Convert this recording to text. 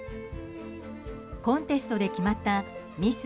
コンテストで決まったミス